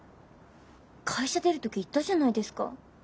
会社出る時言ったじゃないですか。